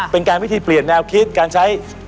เป็นการวิธีเปลี่ยนแนวคิดการใช้